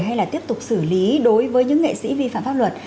hay là tiếp tục xử lý đối với những nghệ sĩ vi phạm pháp luật